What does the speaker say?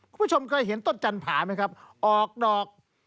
คุณผู้ชมเคยเห็นต้นจันผาไหมครับออกดอก